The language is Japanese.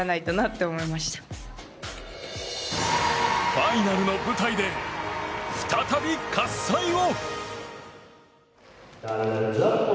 ファイナルの舞台で再び喝采を！